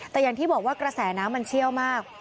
แต่อย่างที่บอกว่ากระแสน้ำมันเชี่ยวมาก